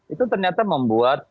itu ternyata membuat